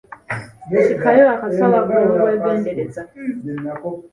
Sikayo akasawo ako n’obwegendereza.